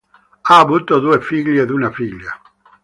Ha avuto due figli ed una figlia.